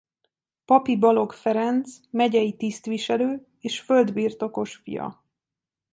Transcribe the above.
Papi Balogh Ferenc megyei tisztviselő és földbirtokos fia.